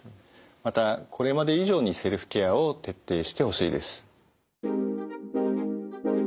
またこれまで以上にセルフケアを徹底してほしいです。